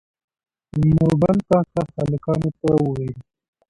نورګل کاکا هلکانو ته وويل